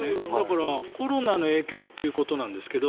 だから、コロナの影響ということなんですが。